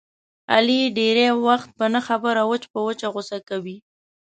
علي ډېری وختونه په نه خبره وچ په وچه غوسه کوي.